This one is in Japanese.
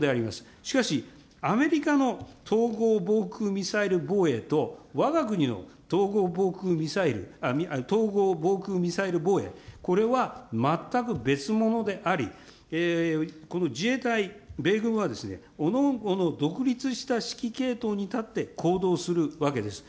しかしアメリカの統合防空ミサイル防衛と、わが国の統合防空ミサイル、統合防空ミサイル防衛、これは全く別物であり、この自衛隊、米軍はですね、おのおの独立した指揮系統に立って行動するわけです。